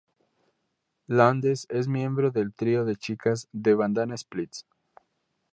Landes es miembro del trío de chicas The Bandana Splits.